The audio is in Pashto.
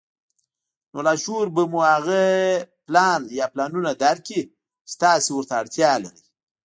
نو لاشعور به مو هغه پلان يا پلانونه درکړي چې تاسې ورته اړتيا لرئ.